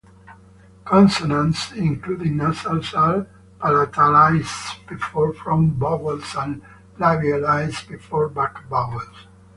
Consonants, including nasals, are palatalized before front vowels and labialized before back vowels.